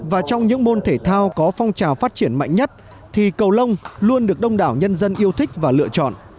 và trong những môn thể thao có phong trào phát triển mạnh nhất thì cầu lông luôn được đông đảo nhân dân yêu thích và lựa chọn